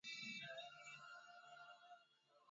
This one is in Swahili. Rwanda yajibu Demokrasia ya Kongo